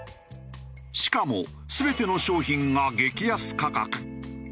しかも全ての商品が激安価格。